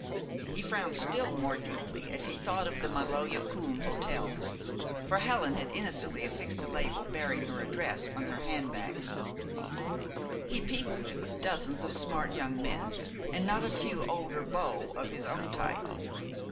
He frowned still more deeply as he thought of the Maloja Kulm Hotel, for Helen had innocently affixed a label bearing her address on her handbag. He peopled it with dozens of smart young men and not a few older beaux of his own type.